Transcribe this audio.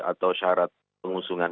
atau syarat pengusungan